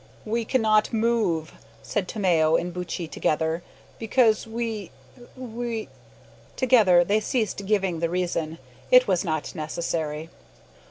"We cannot move," said Tomeo and Buttchee together, "because we w " Together they ceased giving the reason it was not necessary!